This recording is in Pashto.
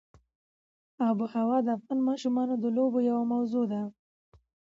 آب وهوا د افغان ماشومانو د لوبو یوه موضوع ده.